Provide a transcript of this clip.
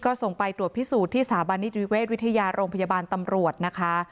ก็ส่งไปตรวจพิสูจน์ที่สถาบันนิติเวชวิทยาโรงพยาบาลตำรวจนะคะ